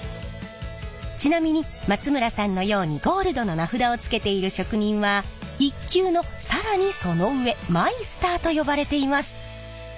ちなみに松村さんのようにゴールドの名札をつけている職人は１級の更にその上マイスターと呼ばれています。